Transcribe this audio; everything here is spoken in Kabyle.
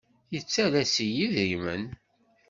Yettalas-iyi idrimen.